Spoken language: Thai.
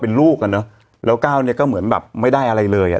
เป็นลูกอ่ะเนอะแล้วก้าวเนี่ยก็เหมือนแบบไม่ได้อะไรเลยอ่ะ